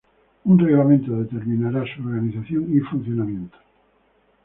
Un reglamento determinará su organización y funcionamiento.